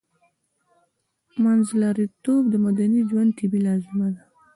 منځلاریتوب د مدني ژوند طبیعي لازمه ده